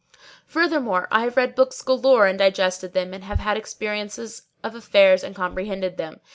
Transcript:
Furthermore, I have read books galore and digested them and have had experience of affairs and comprehended them.